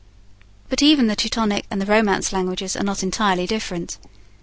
But even the Teutonic and the Romance languages are not entirely different.